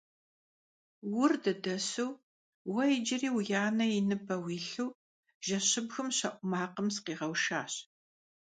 Ур дыдэсу, уэ иджыри уи анэ и ныбэ уилъу, жэщыбгым щэӀу макъым сыкъигъэушащ.